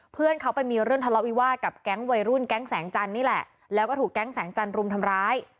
เพื่อนเขาไปมีเรื่องทะเลาะวิวาสกับแก๊งวัยรุ่นแก๊งแสงจันทร์นี่แหละแล้วก็ถูกแก๊งแสงจันทร์รุมทำร้าย